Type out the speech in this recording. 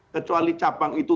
kecuali capang itu